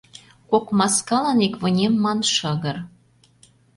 Кок маскалан ик вынем ман шыгыр